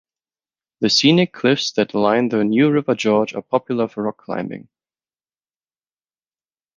The scenic cliffs that line the New River Gorge are popular for rock climbing.